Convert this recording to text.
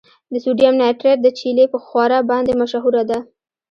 د سوډیم نایټریټ د چیلي په ښوره باندې مشهوره ده.